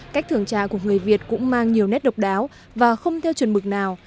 cách thưởng trà của người việt cũng mang nhiều nét độc đáo và không theo chuẩn mực nào